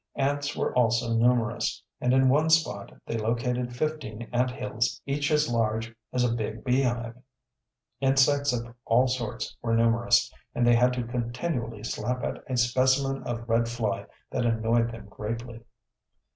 Ants were also numerous, and in one spot they located fifteen anthills, each as large as a big beehive. Insects of all sorts were numerous, and they had to continually slap at a specimen of red fly that annoyed them greatly.